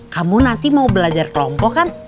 kamu nanti mau belajar kelompok kan